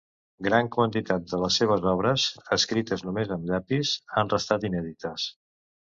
Gran quantitat de les seves obres, escrites només amb llapis, han restat inèdites.